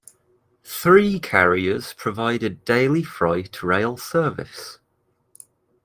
Three carriers provide daily freight rail service.